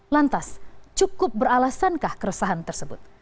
lantas cukup beralasankah keresahan tersebut